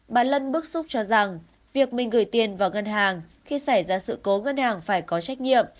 bà lân bức xúc cho rằng việc mình gửi tiền vào ngân hàng khi xảy ra sự cố ngân hàng phải có trách nhiệm